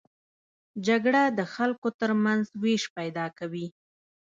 جګړه د خلکو تر منځ وېش پیدا کوي